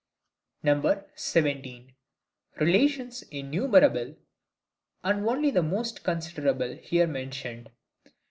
17. Relations innumerable, and only the most considerable here mentioned.